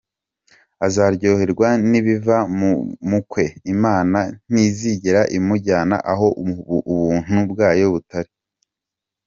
Azaryoherwa n’ibiva mu kwe, Imana ntizigera imujyana aho ubuntu bwayo butari.